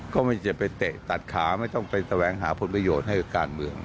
ก็ไม่จะไปเตะตัดขาไม่ต้องไปแสวงหาผลประโยชน์ให้กับการเมือง